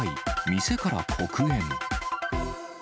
店から黒煙。